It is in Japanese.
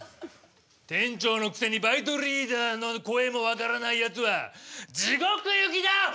店長のくせにバイトリーダーの声もわからないやつはじごく行きだ！